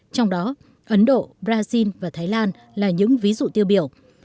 trong đó ấn độ brazil và thái lan là những ví dụ tiêu biểu